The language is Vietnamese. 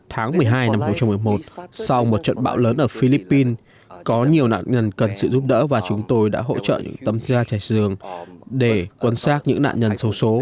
tháng một mươi hai năm hai nghìn một mươi một sau một trận bão lớn ở philippines có nhiều nạn nhân cần sự giúp đỡ và chúng tôi đã hỗ trợ những tên nhân viên